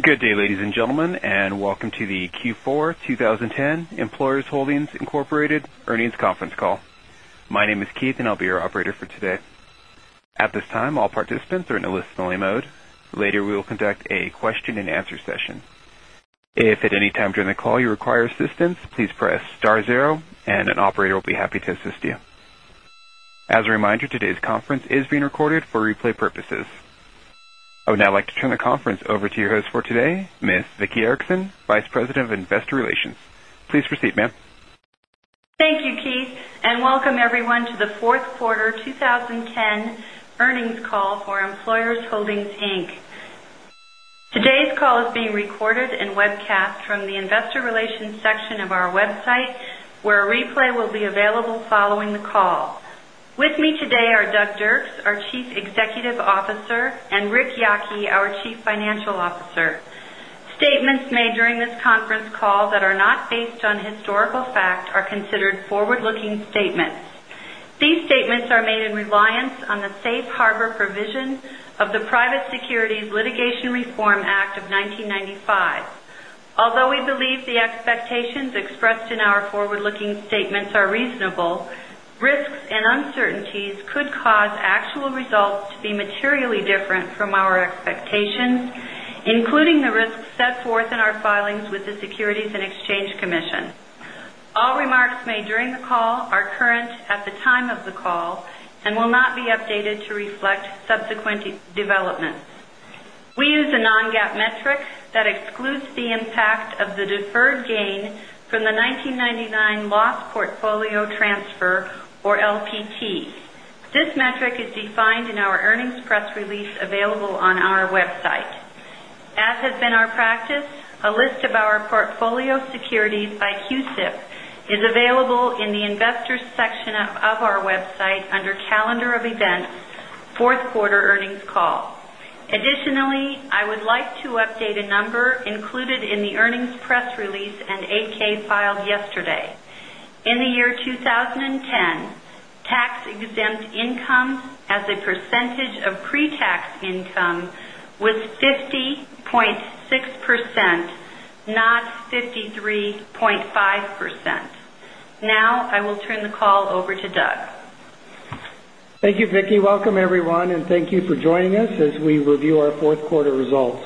Good day, ladies and gentlemen, welcome to the Q4 2010 Employers Holdings, Inc. earnings conference call. My name is Keith, I'll be your operator for today. At this time, all participants are in a listen-only mode. Later, we will conduct a question and answer session. If at any time during the call you require assistance, please press star zero and an operator will be happy to assist you. As a reminder, today's conference is being recorded for replay purposes. I would now like to turn the conference over to your host for today, Ms. Vicki Erickson, Vice President of Investor Relations. Please proceed, ma'am. Thank you, Keith, and welcome everyone to the fourth quarter 2010 earnings call for Employers Holdings, Inc. Today's call is being recorded and webcast from the investor relations section of our website, where a replay will be available following the call. With me today are Doug Dirks, our Chief Executive Officer, and Rick Yockey, our Chief Financial Officer. Statements made during this conference call that are not based on historical fact are considered forward-looking statements. These statements are made in reliance on the safe harbor provisions of the Private Securities Litigation Reform Act of 1995. Although we believe the expectations expressed in our forward-looking statements are reasonable, risks and uncertainties could cause actual results to be materially different from our expectations, including the risks set forth in our filings with the Securities and Exchange Commission. All remarks made during the call are current at the time of the call and will not be updated to reflect subsequent developments. We use a non-GAAP metric that excludes the impact of the deferred gain from the 1999 Loss Portfolio Transfer, or LPT. This metric is defined in our earnings press release available on our website. As has been our practice, a list of our portfolio securities by CUSIP is available in the investors section of our website under Calendar of Events, Fourth Quarter Earnings Call. Additionally, I would like to update a number included in the earnings press release and 8-K filed yesterday. In the year 2010, tax-exempt income as a percentage of pre-tax income was 50.6%, not 53.5%. I will turn the call over to Doug. Thank you, Vicki. Welcome everyone, and thank you for joining us as we review our fourth quarter results.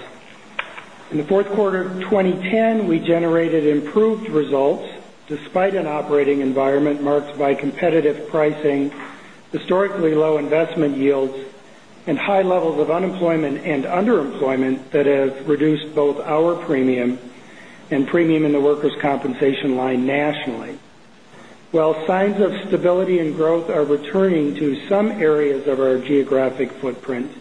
In the fourth quarter of 2010, we generated improved results despite an operating environment marked by competitive pricing, historically low investment yields, and high levels of unemployment and underemployment that has reduced both our premium in the workers' compensation line nationally. While signs of stability and growth are returning to some areas of our geographic footprint,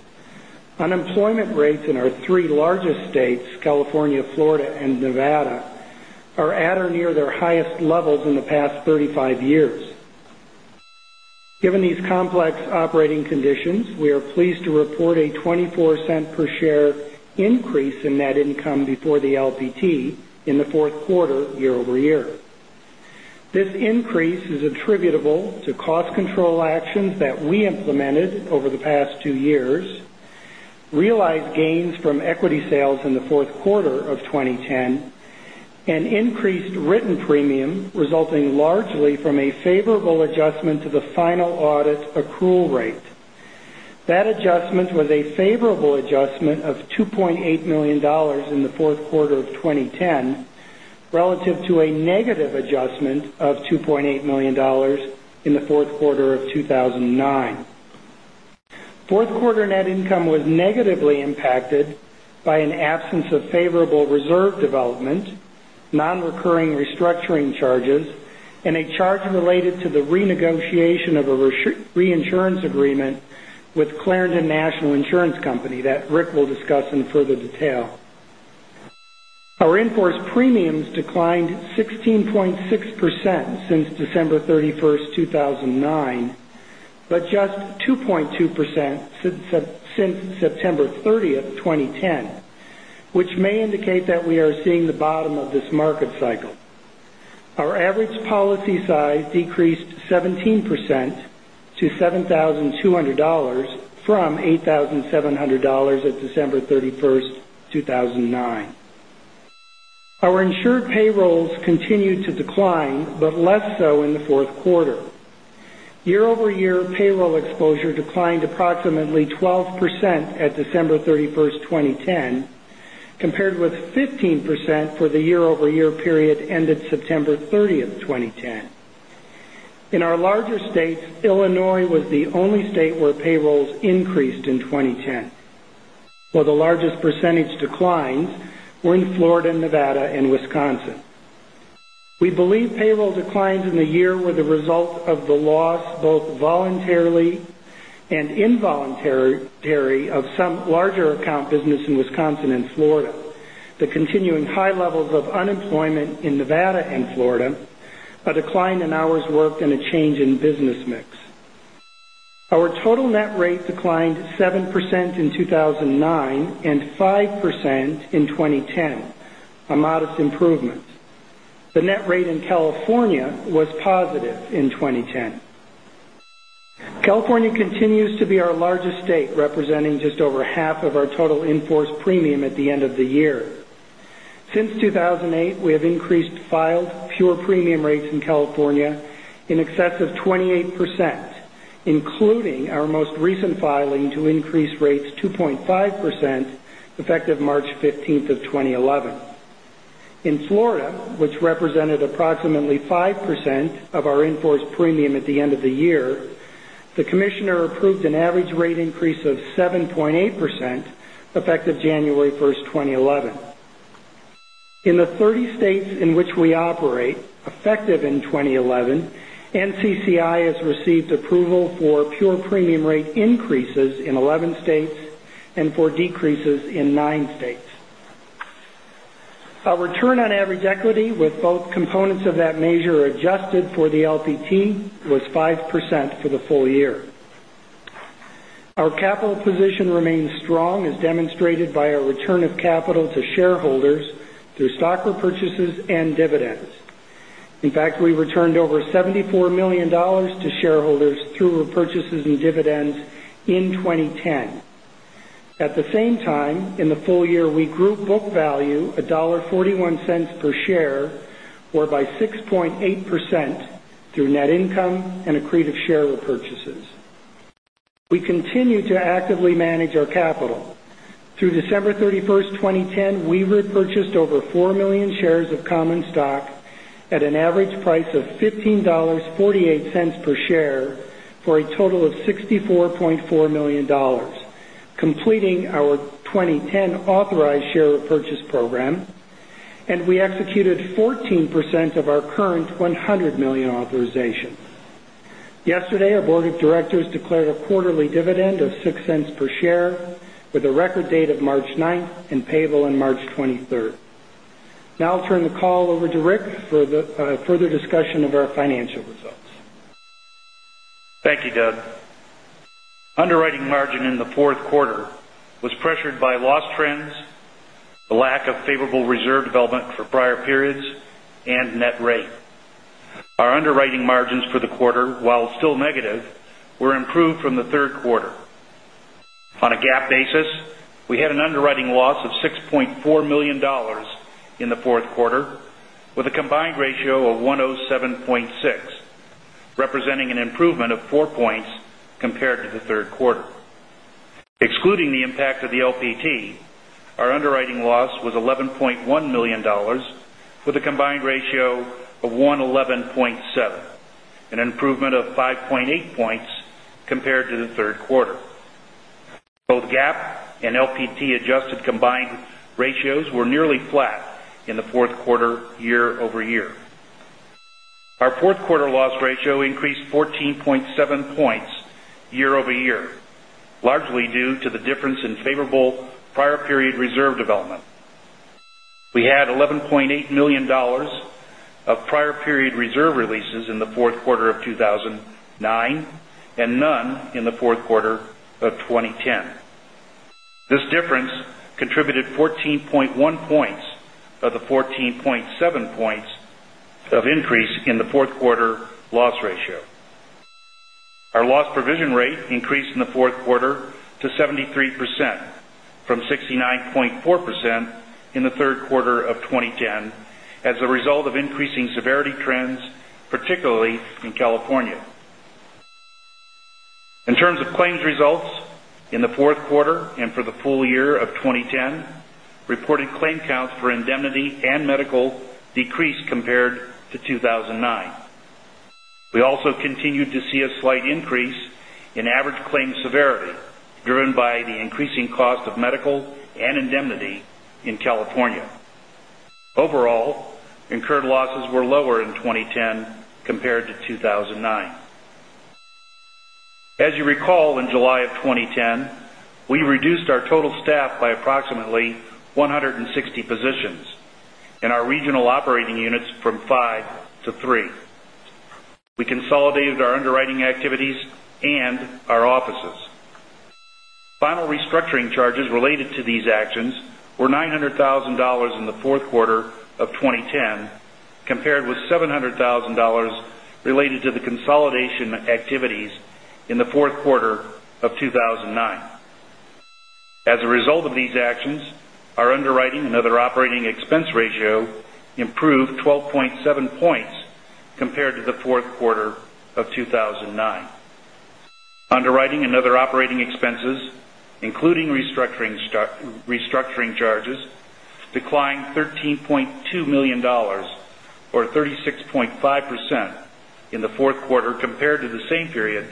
unemployment rates in our three largest states, California, Florida, and Nevada, are at or near their highest levels in the past 35 years. Given these complex operating conditions, we are pleased to report a $0.24 per share increase in net income before the LPT in the fourth quarter year-over-year. This increase is attributable to cost control actions that we implemented over the past two years, realized gains from equity sales in the fourth quarter of 2010, and increased written premium resulting largely from a favorable adjustment to the final audit accrual rate. That adjustment was a favorable adjustment of $2.8 million in the fourth quarter of 2010, relative to a negative adjustment of $2.8 million in the fourth quarter of 2009. Fourth quarter net income was negatively impacted by an absence of favorable reserve development, non-recurring restructuring charges, and a charge related to the renegotiation of a reinsurance agreement with Clarendon National Insurance Company that Rick will discuss in further detail. Our in-force premiums declined 16.6% since December 31st, 2009, but just 2.2% since September 30th, 2010, which may indicate that we are seeing the bottom of this market cycle. Our average policy size decreased 17% to $7,200 from $8,700 at December 31st, 2009. Our insured payrolls continued to decline, but less so in the fourth quarter. Year-over-year, payroll exposure declined approximately 12% at December 31st, 2010, compared with 15% for the year-over-year period ended September 30th, 2010. In our larger states, Illinois was the only state where payrolls increased in 2010, while the largest percentage declines were in Florida, Nevada, and Wisconsin. We believe payroll declines in the year were the result of the loss, both voluntarily and involuntarily, of some larger account business in Wisconsin and Florida, the continuing high levels of unemployment in Nevada and Florida, a decline in hours worked, and a change in business mix. Our total net rate declined 7% in 2009 and 5% in 2010, a modest improvement. The net rate in California was positive in 2010. California continues to be our largest state, representing just over half of our total in-force premium at the end of the year. Since 2008, we have increased filed pure premium rates in California in excess of 28%, including our most recent filing to increase rates 2.5% effective March 15th of 2011. In Florida, which represented approximately 5% of our in-force premium at the end of the year, the commissioner approved an average rate increase of 7.8% effective January 1st, 2011. In the 30 states in which we operate, effective in 2011, NCCI has received approval for pure premium rate increases in 11 states and for decreases in nine states. Our return on average equity with both components of that measure adjusted for the LPT was 5% for the full year. Our capital position remains strong, as demonstrated by our return of capital to shareholders through stock repurchases and dividends. In fact, we returned over $74 million to shareholders through repurchases and dividends in 2010. At the same time, in the full year, we grew book value $1.41 per share, or by 6.8%, through net income and accretive share repurchases. Through December 31st, 2010, we repurchased over four million shares of common stock at an average price of $15.48 per share for a total of $64.4 million, completing our 2010 authorized share repurchase program, and we executed 14% of our current 100 million authorization. Yesterday, our board of directors declared a quarterly dividend of $0.06 per share with a record date of March 9th and payable on March 23rd. I'll turn the call over to Rick for further discussion of our financial results. Thank you, Doug. Underwriting margin in the fourth quarter was pressured by loss trends, the lack of favorable reserve development for prior periods, and net rate. Our underwriting margins for the quarter, while still negative, were improved from the third quarter. On a GAAP basis, we had an underwriting loss of $6.4 million in the fourth quarter with a combined ratio of 107.6, representing an improvement of four points compared to the third quarter. Excluding the impact of the LPT, our underwriting loss was $11.1 million with a combined ratio of 111.7, an improvement of 5.8 points compared to the third quarter. Both GAAP and LPT adjusted combined ratios were nearly flat in the fourth quarter year-over-year. Our fourth quarter loss ratio increased 14.7 points year-over-year, largely due to the difference in favorable prior period reserve development. We had $11.8 million of prior period reserve releases in the fourth quarter of 2009 and none in the fourth quarter of 2010. This difference contributed 14.1 points of the 14.7 points of increase in the fourth quarter loss ratio. Our loss provision rate increased in the fourth quarter to 73% from 69.4% in the third quarter of 2010 as a result of increasing severity trends, particularly in California. In terms of claims results in the fourth quarter and for the full year of 2010, reported claim counts for indemnity and medical decreased compared to 2009. We also continued to see a slight increase in average claim severity, driven by the increasing cost of medical and indemnity in California. Overall, incurred losses were lower in 2010 compared to 2009. As you recall, in July of 2010, we reduced our total staff by approximately 160 positions in our regional operating units from five to three. We consolidated our underwriting activities and our offices. Final restructuring charges related to these actions were $900,000 in the fourth quarter of 2010, compared with $700,000 related to the consolidation activities in the fourth quarter of 2009. As a result of these actions, our underwriting and other operating expense ratio improved 12.7 points compared to the fourth quarter of 2009. Underwriting and other operating expenses, including restructuring charges, declined $13.2 million, or 36.5%, in the fourth quarter compared to the same period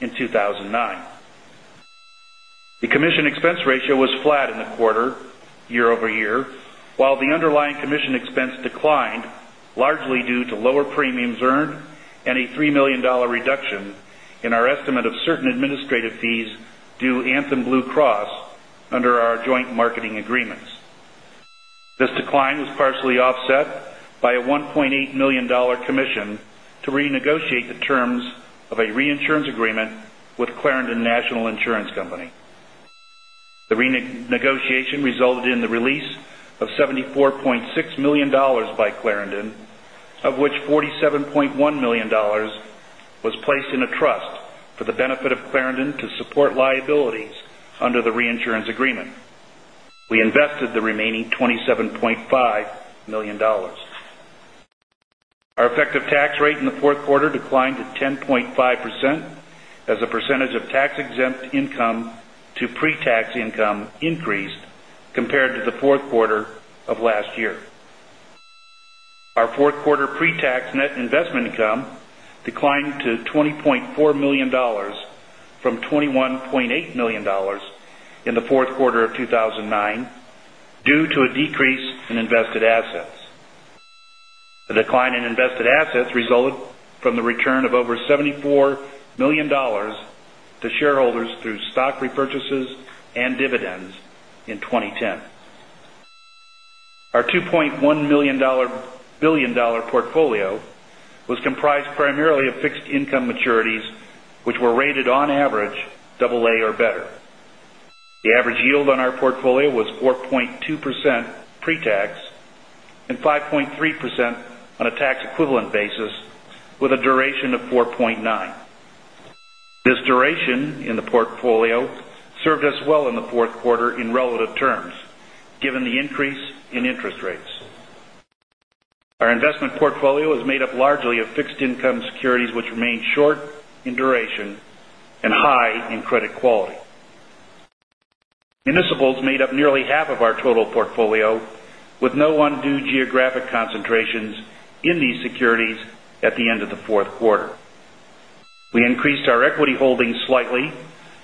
in 2009. The commission expense ratio was flat in the quarter year-over-year, while the underlying commission expense declined largely due to lower premiums earned and a $3 million reduction in our estimate of certain administrative fees due Anthem Blue Cross under our joint marketing agreements. This decline was partially offset by a $1.8 million commission to renegotiate the terms of a reinsurance agreement with Clarendon National Insurance Company. The renegotiation resulted in the release of $74.6 million by Clarendon, of which $47.1 million was placed in a trust for the benefit of Clarendon to support liabilities under the reinsurance agreement. We invested the remaining $27.5 million. Our effective tax rate in the fourth quarter declined to 10.5% as a percentage of tax-exempt income to pre-tax income increased compared to the fourth quarter of last year. Our fourth quarter pre-tax net investment income declined to $20.4 million from $21.8 million in the fourth quarter of 2009 due to a decrease in invested assets. The decline in invested assets resulted from the return of over $74 million to shareholders through stock repurchases and dividends in 2010. Our $2.1 billion portfolio was comprised primarily of fixed income maturities, which were rated on average double A or better. The average yield on our portfolio was 4.2% pre-tax and 5.3% on a tax equivalent basis with a duration of 4.9. This duration in the portfolio served us well in the fourth quarter in relative terms, given the increase in interest rates. Our investment portfolio is made up largely of fixed income securities, which remain short in duration and high in credit quality. Municipals made up nearly half of our total portfolio with no undue geographic concentrations in these securities at the end of the fourth quarter. We increased our equity holdings slightly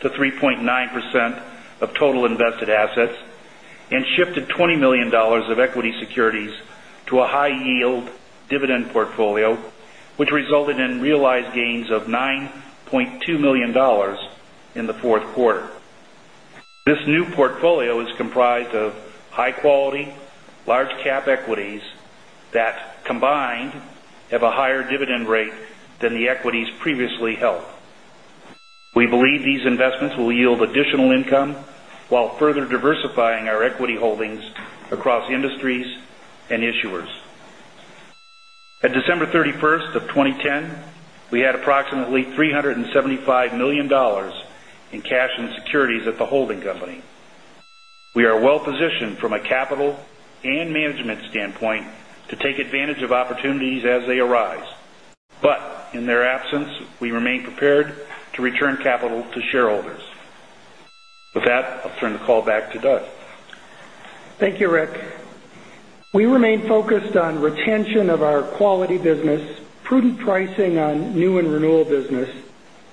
to 3.9% of total invested assets and shifted $20 million of equity securities to a high yield dividend portfolio, which resulted in realized gains of $9.2 million in the fourth quarter. This new portfolio is comprised of high quality, large cap equities that combined have a higher dividend rate than the equities previously held. We believe these investments will yield additional income while further diversifying our equity holdings across industries and issuers. At December 31st of 2010, we had approximately $375 million in cash and securities at the holding company. We are well-positioned from a capital and management standpoint to take advantage of opportunities as they arise. In their absence, we remain prepared to return capital to shareholders. With that, I'll turn the call back to Doug. Thank you, Rick. We remain focused on retention of our quality business, prudent pricing on new and renewal business,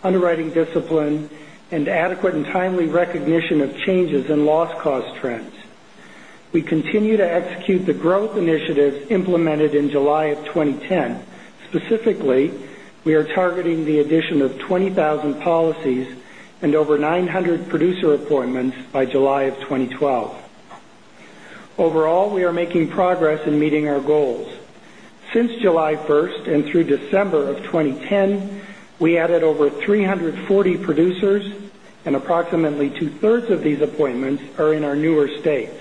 underwriting discipline, and adequate and timely recognition of changes in loss cost trends. We continue to execute the growth initiatives implemented in July of 2010. Specifically, we are targeting the addition of 20,000 policies and over 900 producer appointments by July of 2012. Overall, we are making progress in meeting our goals. Since July 1st and through December of 2010, we added over 340 producers and approximately two-thirds of these appointments are in our newer states.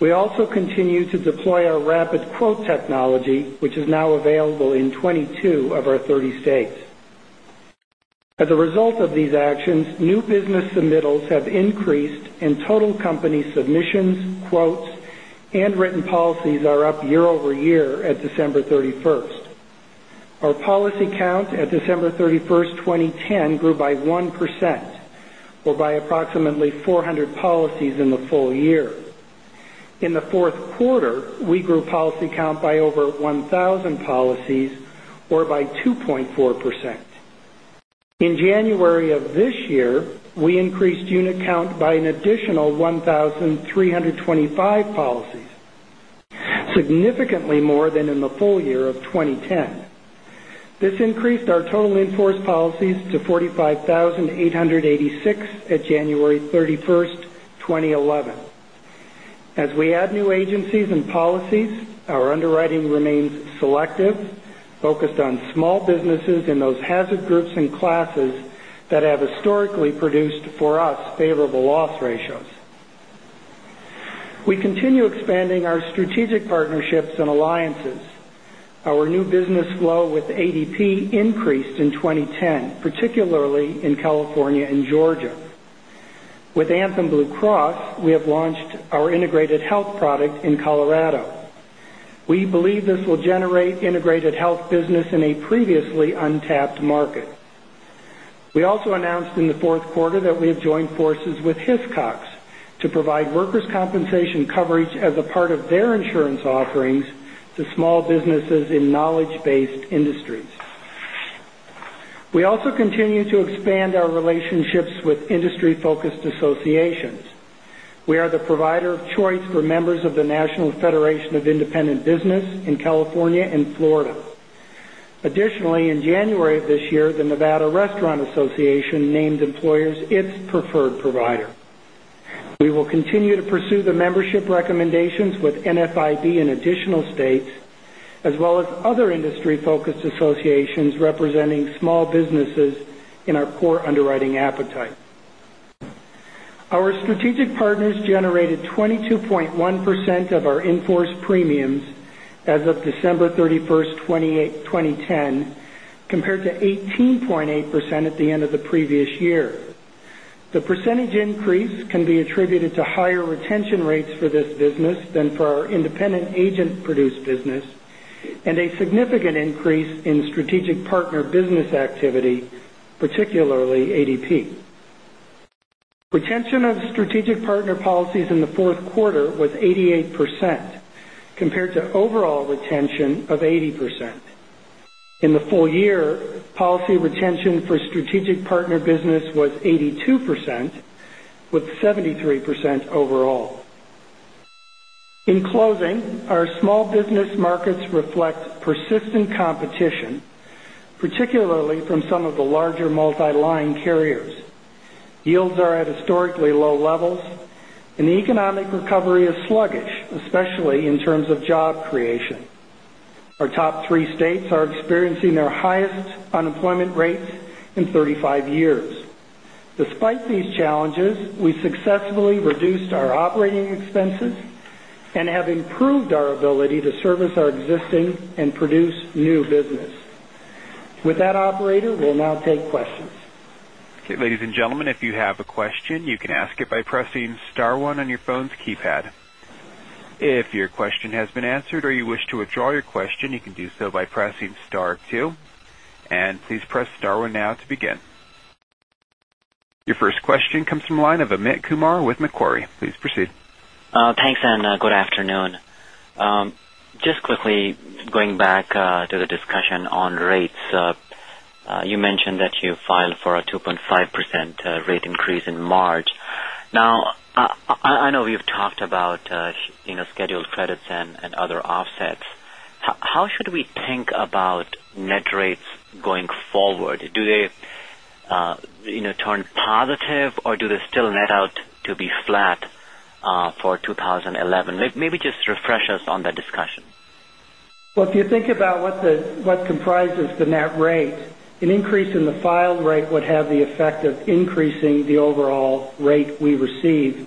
We also continue to deploy our rapid quote technology, which is now available in 22 of our 30 states. As a result of these actions, new business submittals have increased and total company submissions, quotes, and written policies are up year-over-year at December 31st. Our policy count at December 31st, 2010 grew by 1% or by approximately 400 policies in the full year. In the fourth quarter, we grew policy count by over 1,000 policies or by 2.4%. In January of this year, we increased unit count by an additional 1,325 policies, significantly more than in the full year of 2010. This increased our total in-force policies to 45,886 at January 31st, 2011. As we add new agencies and policies, our underwriting remains selective, focused on small businesses in those hazard groups and classes that have historically produced for us favorable loss ratios. We continue expanding our strategic partnerships and alliances. Our new business flow with ADP increased in 2010, particularly in California and Georgia. With Anthem Blue Cross, we have launched our integrated health product in Colorado. We believe this will generate integrated health business in a previously untapped market. We also announced in the fourth quarter that we have joined forces with Hiscox to provide workers' compensation coverage as a part of their insurance offerings to small businesses in knowledge-based industries. We also continue to expand our relationships with industry-focused associations. We are the provider of choice for members of the National Federation of Independent Business in California and Florida. Additionally, in January of this year, the Nevada Restaurant Association named Employers its preferred provider. We will continue to pursue the membership recommendations with NFIB in additional states as well as other industry-focused associations representing small businesses in our core underwriting appetite. Our strategic partners generated 22.1% of our in-force premiums as of December 31st, 2010, compared to 18.8% at the end of the previous year. The percentage increase can be attributed to higher retention rates for this business than for our independent agent-produced business, and a significant increase in strategic partner business activity, particularly ADP. Retention of strategic partner policies in the fourth quarter was 88%, compared to overall retention of 80%. In the full year, policy retention for strategic partner business was 82%, with 73% overall. In closing, our small business markets reflect persistent competition, particularly from some of the larger multi-line carriers. Yields are at historically low levels, and the economic recovery is sluggish, especially in terms of job creation. Our top three states are experiencing their highest unemployment rates in 35 years. Despite these challenges, we successfully reduced our operating expenses and have improved our ability to service our existing and produce new business. With that, Operator, we'll now take questions. Okay, ladies and gentlemen, if you have a question, you can ask it by pressing *1 on your phone's keypad. If your question has been answered or you wish to withdraw your question, you can do so by pressing *2. Please press *1 now to begin. Your first question comes from the line of Amit Kumar with Macquarie. Please proceed. Thanks. Good afternoon. Just quickly going back to the discussion on rates. You mentioned that you filed for a 2.5% rate increase in March. I know you've talked about scheduled credits and other offsets. How should we think about net rates going forward? Do they turn positive, or do they still net out to be flat for 2011? Maybe just refresh us on that discussion. Well, if you think about what comprises the net rate, an increase in the filed rate would have the effect of increasing the overall rate we receive.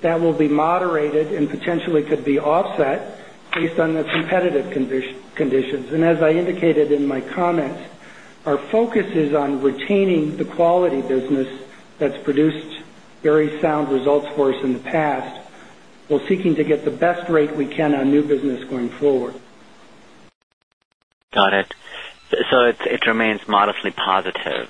That will be moderated and potentially could be offset based on the competitive conditions. As I indicated in my comments, our focus is on retaining the quality business that's produced very sound results for us in the past, while seeking to get the best rate we can on new business going forward. Got it. It remains modestly positive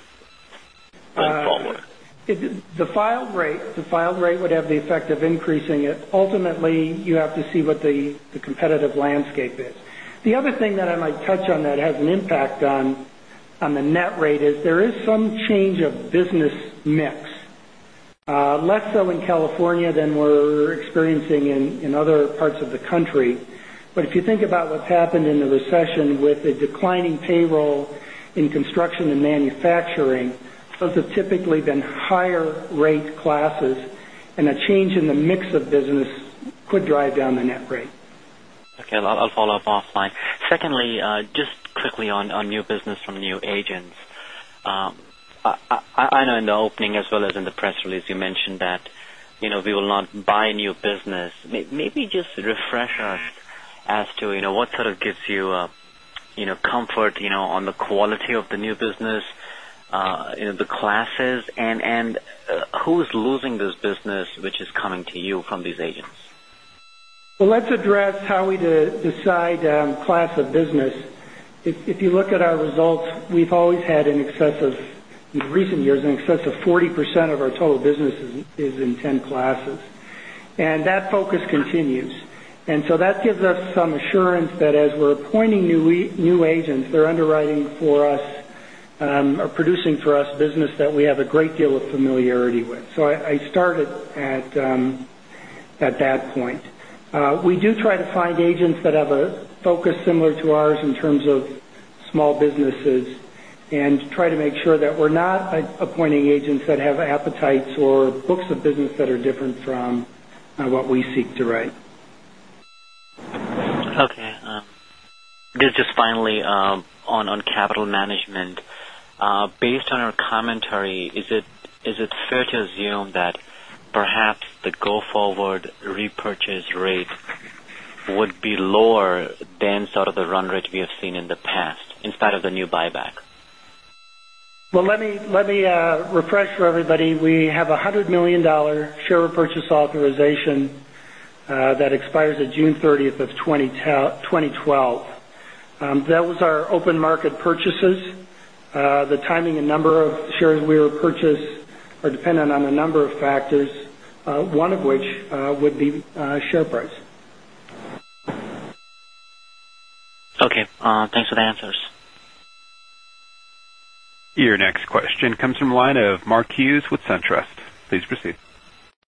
going forward. The filed rate would have the effect of increasing it. Ultimately, you have to see what the competitive landscape is. The other thing that I might touch on that has an impact on the net rate is there is some change of business mix. Less so in California than we're experiencing in other parts of the country. If you think about what's happened in the recession with a declining payroll in construction and manufacturing, those have typically been higher rate classes, and a change in the mix of business could drive down the net rate. Okay. I'll follow up offline. Secondly, just quickly on new business from new agents. I know in the opening as well as in the press release, you mentioned that we will not buy new business. Maybe just refresh us as to what sort of gives you comfort on the quality of the new business, the classes, and who's losing this business, which is coming to you from these agents. Well, let's address how we decide class of business. If you look at our results, we've always had in recent years, in excess of 40% of our total business is in 10 classes, and that focus continues. That gives us some assurance that as we're appointing new agents, they're underwriting for us or producing for us business that we have a great deal of familiarity with. I started at that point. We do try to find agents that have a focus similar to ours in terms of small businesses, and try to make sure that we're not appointing agents that have appetites or books of business that are different from what we seek to write. Okay. Just finally, on capital management. Based on our commentary, is it fair to assume that perhaps the go-forward repurchase rate would be lower than sort of the run rate we have seen in the past instead of the new buyback? Well, let me refresh for everybody. We have a $100 million share repurchase authorization that expires at June 30th of 2012. That was our open market purchases. The timing and number of shares we will purchase are dependent on a number of factors, one of which would be share price. Okay. Thanks for the answers. Your next question comes from the line of Mark Hughes with SunTrust. Please proceed.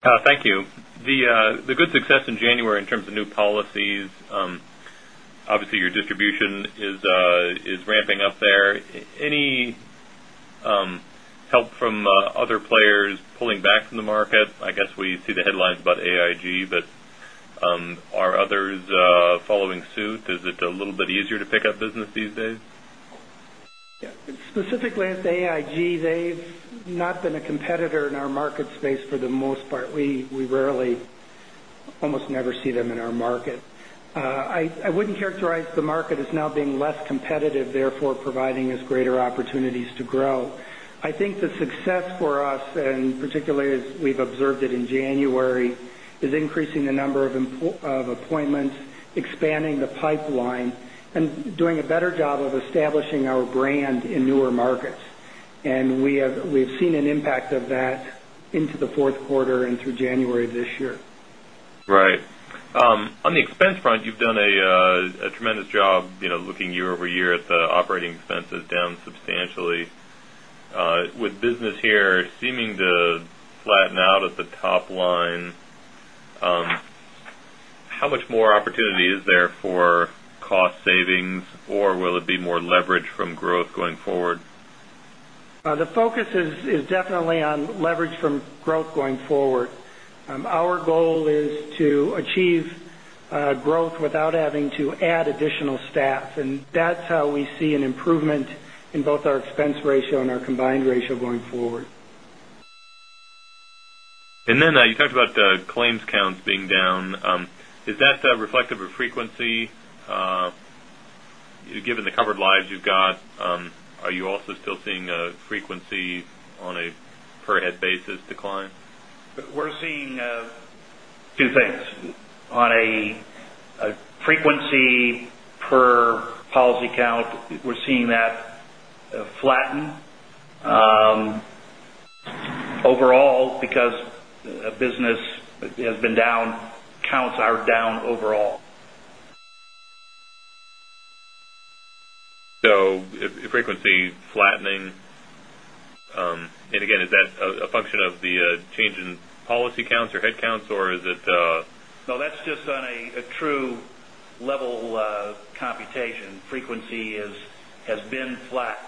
Thank you. The good success in January in terms of new policies, obviously your distribution is ramping up there. Any help from other players pulling back from the market. I guess we see the headlines about AIG, but are others following suit? Is it a little bit easier to pick up business these days? Yeah. Specifically with AIG, they've not been a competitor in our market space for the most part. We rarely, almost never see them in our market. I wouldn't characterize the market as now being less competitive, therefore providing us greater opportunities to grow. I think the success for us, and particularly as we've observed it in January, is increasing the number of appointments, expanding the pipeline, and doing a better job of establishing our brand in newer markets. We've seen an impact of that into the fourth quarter and through January this year. Right. On the expense front, you've done a tremendous job, looking year-over-year at the operating expenses down substantially. With business here seeming to flatten out at the top line, how much more opportunity is there for cost savings, or will it be more leverage from growth going forward? The focus is definitely on leverage from growth going forward. Our goal is to achieve growth without having to add additional staff, that's how we see an improvement in both our expense ratio and our combined ratio going forward. Then you talked about claims counts being down. Is that reflective of frequency given the covered lives you've got? Are you also still seeing a frequency on a per head basis decline? We're seeing two things. On a frequency per policy count, we're seeing that flatten. Overall, because business has been down, counts are down overall. Frequency flattening. Again, is that a function of the change in policy counts or head counts, or is it? No, that's just on a true level of computation. Frequency has been flat.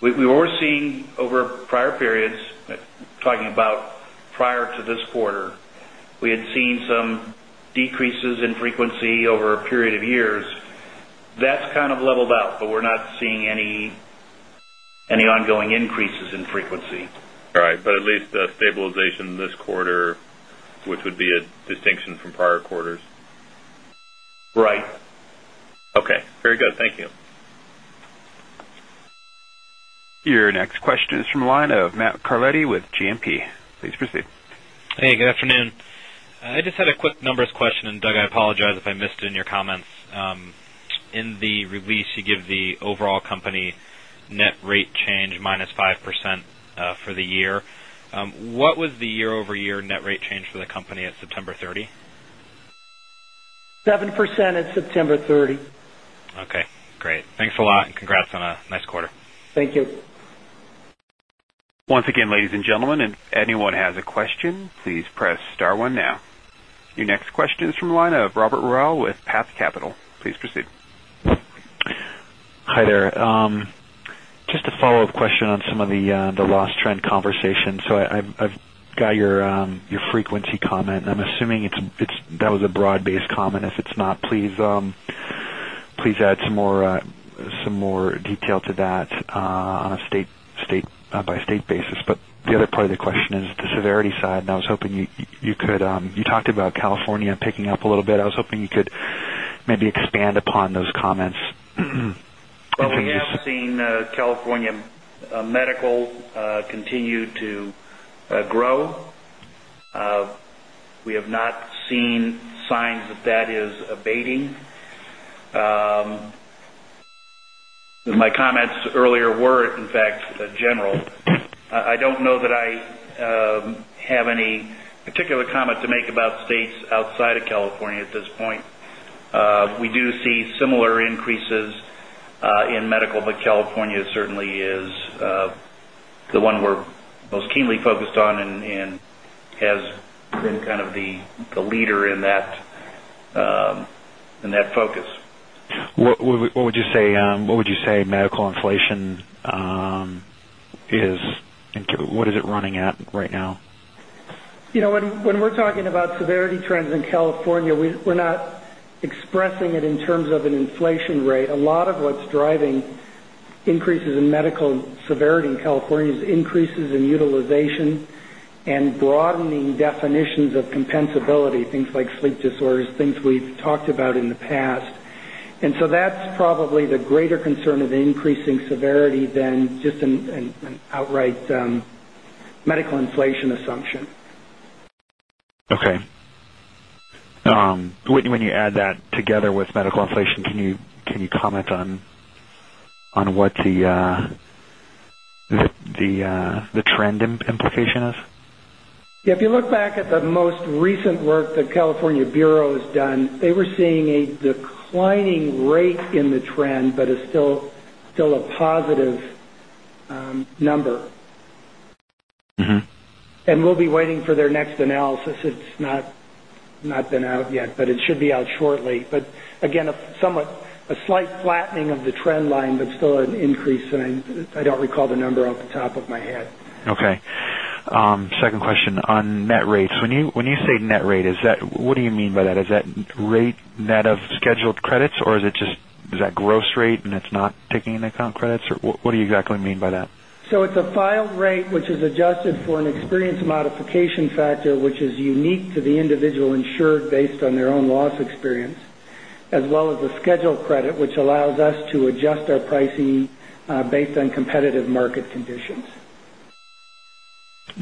We were seeing over prior periods, talking about prior to this quarter, we had seen some decreases in frequency over a period of years. That's kind of leveled out, but we're not seeing any ongoing increases in frequency. All right. At least a stabilization this quarter, which would be a distinction from prior quarters. Right. Okay. Very good. Thank you. Your next question is from the line of Matthew Carletti with JMP. Please proceed. Hey, good afternoon. I just had a quick numbers question, Doug, I apologize if I missed it in your comments. In the release, you give the overall company net rate change minus 5% for the year. What was the year-over-year net rate change for the company at September 30? 7% at September 30. Okay, great. Thanks a lot, congrats on a nice quarter. Thank you. Once again, ladies and gentlemen, if anyone has a question, please press *1 now. Your next question is from the line of Robert Royal with Path Capital. Please proceed. Hi there. Just a follow-up question on some of the loss trend conversation. I've got your frequency comment, and I'm assuming that was a broad-based comment. If it's not, please add some more detail to that on a state-by-state basis. The other part of the question is the severity side, and I was hoping you could maybe expand upon those comments. We have seen California medical continue to grow. We have not seen signs that that is abating. My comments earlier were, in fact, general. I don't know that I have any particular comment to make about states outside of California at this point. We do see similar increases in medical, California certainly is the one we're most keenly focused on and has been kind of the leader in that focus. What would you say medical inflation is? What is it running at right now? When we're talking about severity trends in California, we're not expressing it in terms of an inflation rate. A lot of what's driving increases in medical severity in California is increases in utilization and broadening definitions of compensability, things like sleep disorders, things we've talked about in the past. That's probably the greater concern of increasing severity than just an outright medical inflation assumption. Okay. When you add that together with medical inflation, can you comment on what the trend implication is? If you look back at the most recent work that California Bureau has done, they were seeing a declining rate in the trend, but it's still a positive number. We'll be waiting for their next analysis. It's not been out yet, it should be out shortly. Again, a slight flattening of the trend line, but still an increase. I don't recall the number off the top of my head. Okay. Second question on net rates. When you say net rate, what do you mean by that? Is that rate net of scheduled credits, or is that gross rate and it's not taking into account credits, or what do you exactly mean by that? It's a filed rate, which is adjusted for an experience modification factor, which is unique to the individual insured based on their own loss experience, as well as a scheduled credit, which allows us to adjust our pricing based on competitive market conditions.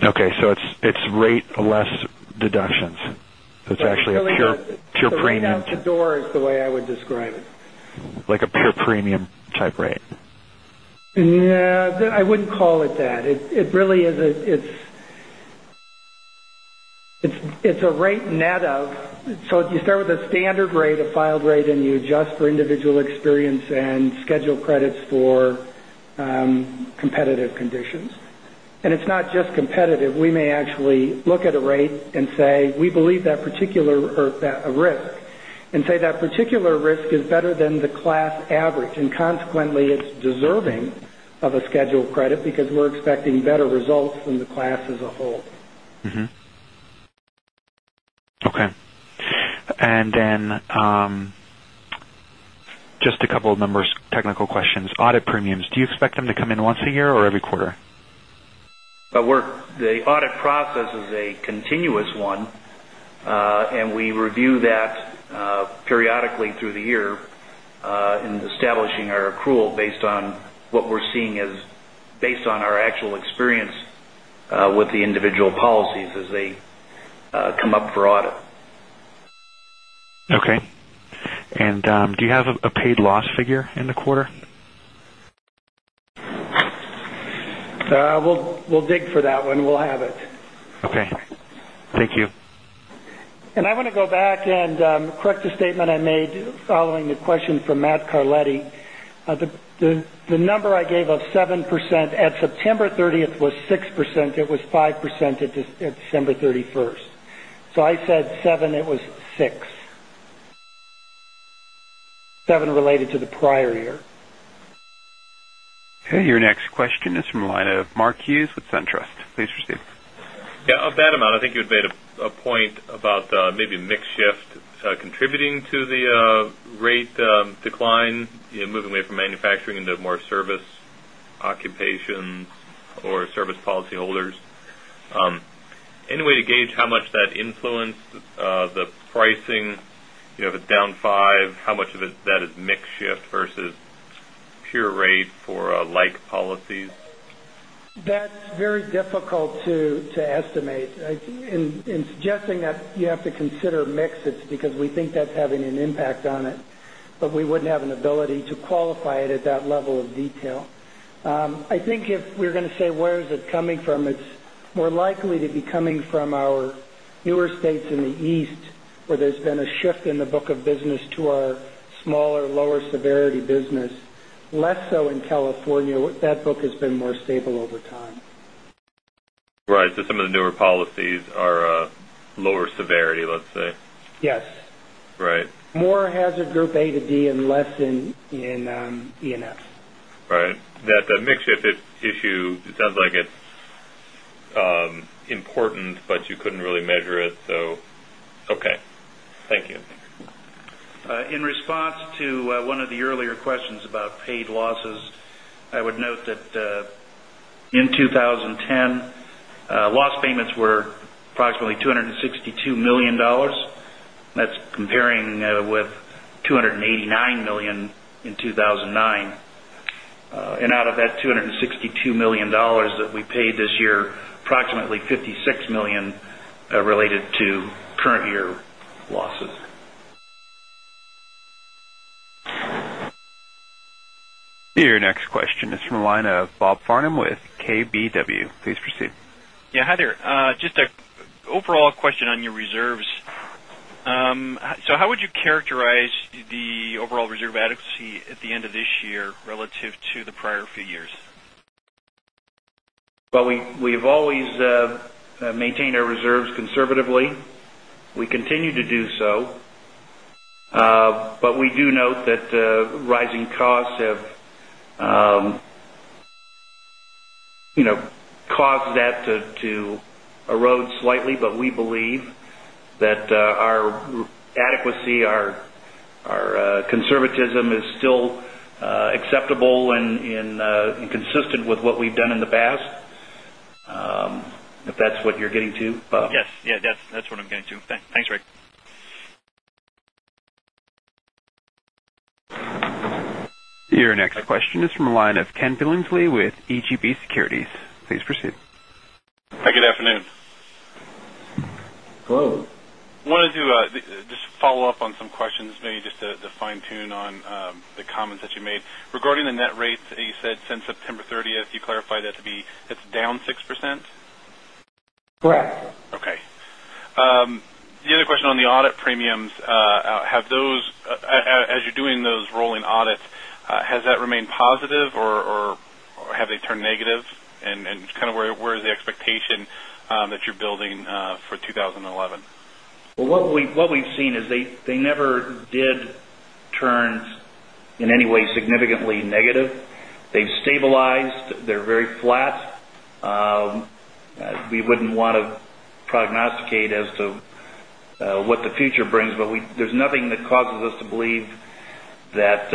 Okay, so it's rate less deductions. It's actually a pure premium. The rate out the door is the way I would describe it. Like a pure premium type rate. No, I wouldn't call it that. It's a rate net of. You start with a standard rate, a filed rate, you adjust for individual experience and schedule credits for competitive conditions. It's not just competitive. We may actually look at a rate and say, we believe that particular risk is better than the class average, and consequently, it's deserving of a scheduled credit because we're expecting better results than the class as a whole. Okay. Just a couple of numbers, technical questions. Audit premiums, do you expect them to come in once a year or every quarter? The audit process is a continuous one, and we review that periodically through the year in establishing our accrual based on our actual experience with the individual policies as they come up for audit. Okay. Do you have a paid loss figure in the quarter? We'll dig for that one. We'll have it. Okay. Thank you. I want to go back and correct a statement I made following the question from Matthew Carletti. The number I gave of 7% at September 30th was 6%. It was 5% at December 31st. I said seven, it was six. Seven related to the prior year. Okay, your next question is from the line of Mark Hughes with SunTrust. Please proceed. Yeah, on that amount, I think you had made a point about maybe mix shift contributing to the rate decline, moving away from manufacturing into more service occupations or service policyholders. Any way to gauge how much that influenced the pricing of a down five? How much of that is mix shift versus pure rate for like policies? That's very difficult to estimate. In suggesting that, you have to consider mixes because we think that's having an impact on it, but we wouldn't have an ability to qualify it at that level of detail. I think if we're going to say where is it coming from, it's more likely to be coming from our newer states in the East, where there's been a shift in the book of business to our smaller, lower severity business. Less so in California. That book has been more stable over time. Right. Some of the newer policies are lower severity, let's say. Yes. Right. More hazard group A to D and less in E and F. Right. That mix shift issue, it sounds like it's important, but you couldn't really measure it. Okay. Thank you. In response to one of the earlier questions about paid losses, I would note that in 2010, loss payments were approximately $262 million. That's comparing with $289 million in 2009. Out of that $262 million that we paid this year, approximately $56 million related to current year losses. Your next question is from the line of Robert Farnam with KBW. Please proceed. Yeah, hi there. Just an overall question on your reserves. How would you characterize the overall reserve adequacy at the end of this year relative to the prior few years? Well, we've always maintained our reserves conservatively. We continue to do so. We do note that rising costs have caused that to erode slightly. We believe that our adequacy, our conservatism is still acceptable and consistent with what we've done in the past. If that's what you're getting to, Bob. Yes. That's what I'm getting to. Thanks, Rick. Your next question is from the line of Ken Billingsley with EGB Securities. Please proceed. Hi, good afternoon. Hello. Wanted to just follow up on some questions, maybe just to fine tune on the comments that you made. Regarding the net rates that you said since September 30th, you clarified that to be it's down 6%? Correct. Okay. The other question on the audit premiums, as you're doing those rolling audits, has that remained positive, or have they turned negative? Where is the expectation that you're building for 2011? What we've seen is they never did turn in any way significantly negative. They've stabilized. They're very flat. We wouldn't want to prognosticate as to what the future brings, there's nothing that causes us to believe that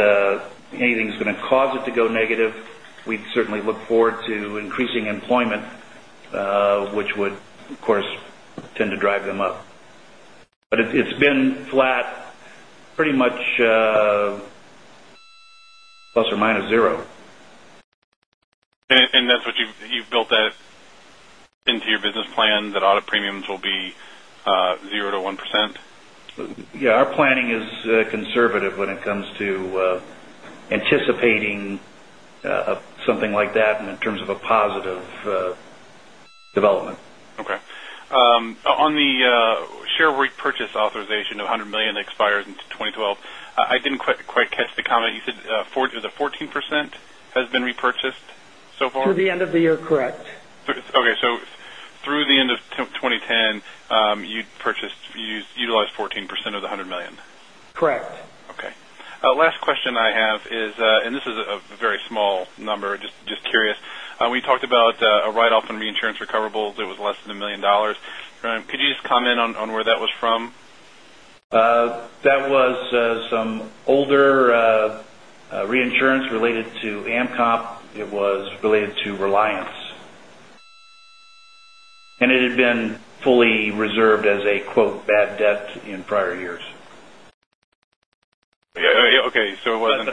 anything's going to cause it to go negative. We'd certainly look forward to increasing employment, which would, of course, tend to drive them up. It's been flat, pretty much plus or minus zero. That's what you've built that into your business plan, that audit premiums will be 0% to 1%? Our planning is conservative when it comes to anticipating something like that and in terms of a positive development. On the share repurchase authorization of $100 million that expires in 2012, I didn't quite catch the comment you said. Is it 14% has been repurchased so far? Through the end of the year, correct. Okay, through the end of 2010, you utilized 14% of the $100 million. Correct. Okay. Last question I have is, this is a very small number, just curious. We talked about a write-off on reinsurance recoverables. It was less than $1 million. Could you just comment on where that was from? That was some older reinsurance related to AmCOMP. It was related to Reliance. It had been fully reserved as a, quote, "bad debt" in prior years. Okay.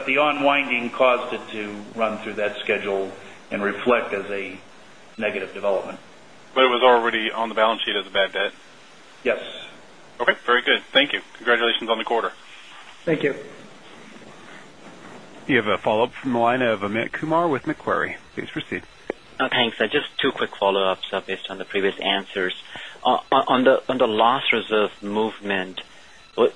The unwinding caused it to run through that schedule and reflect as a negative development. It was already on the balance sheet as a bad debt? Yes. Okay. Very good. Thank you. Congratulations on the quarter. Thank you. You have a follow-up from the line of Amit Kumar with Macquarie. Please proceed. Thanks. Just two quick follow-ups based on the previous answers. On the loss reserve movement,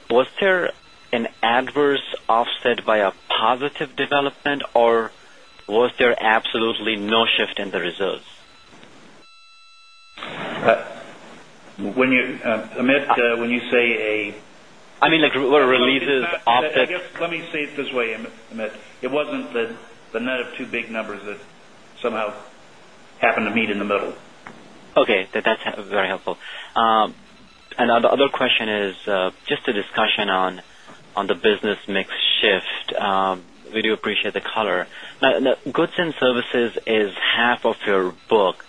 was there an adverse offset by a positive development, or was there absolutely no shift in the results? Amit, when you say a- I mean like releases, offsets. Let me say it this way, Amit. It wasn't the net of two big numbers that somehow happened to meet in the middle. Okay. That's very helpful. The other question is just a discussion on the business mix shift. We do appreciate the color. Goods and services is half of your book.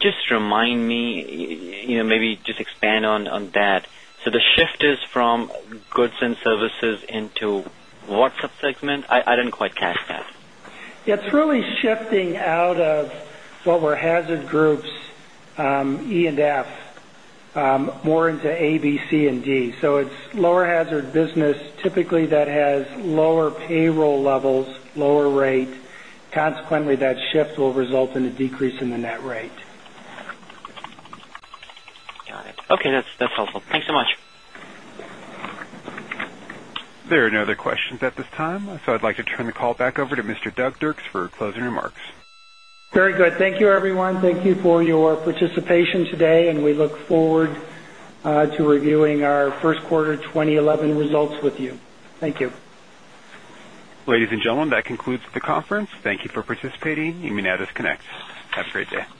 Just remind me, maybe just expand on that. The shift is from goods and services into what subsegment? I didn't quite catch that. It's really shifting out of what were hazard groups E and F, more into A, B, C, and D. It's lower hazard business, typically that has lower payroll levels, lower rate. Consequently, that shift will result in a decrease in the net rate. Got it. Okay, that's helpful. Thanks so much. There are no other questions at this time, so I'd like to turn the call back over to Mr. Doug Dirks for closing remarks. Very good. Thank you, everyone. Thank you for your participation today, and we look forward to reviewing our first quarter 2011 results with you. Thank you. Ladies and gentlemen, that concludes the conference. Thank you for participating in. You may now disconnect. Have a great day.